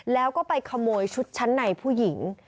แล้วก็ไปขโมยชุดชั้นในผู้หญิง